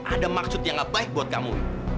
ada maksud yang gak baik buat kamu